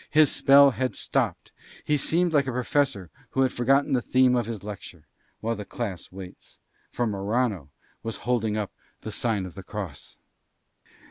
His spell had stopped. He seemed like a professor who had forgotten the theme of his lecture, while the class waits. For Morano was holding up the sign of the cross.